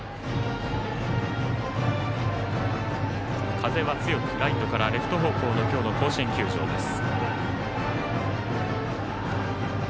風は強くライトからレフト方向の今日の甲子園球場です。